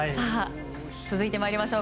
続いてまいりましょう。